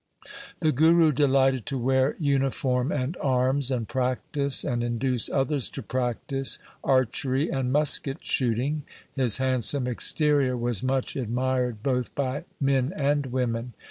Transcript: The Guru delighted to wear uniform and arms, and practise, and induce others to practise, archery and musket shooting. His handsome exterior was much admired both by men and women.